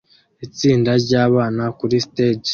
Itsinda ryabana kuri stage